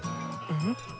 うん？